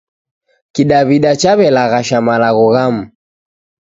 Kidaw'ida chaw'elaghasha malagho ghamu.